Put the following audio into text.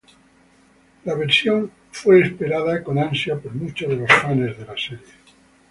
La versión fue esperada con ansia por muchos de los fanes de la serie.